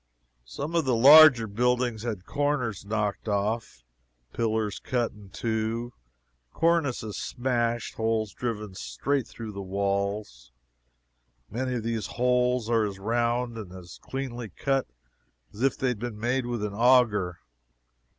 Some of the larger buildings had corners knocked off; pillars cut in two; cornices smashed; holes driven straight through the walls. Many of these holes are as round and as cleanly cut as if they had been made with an auger.